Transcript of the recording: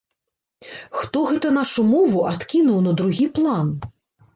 Хто гэта нашу мову адкінуў на другі план?